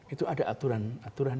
itu ada aturan aturan